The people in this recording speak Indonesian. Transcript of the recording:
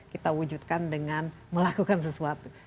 kita wujudkan dengan melakukan sesuatu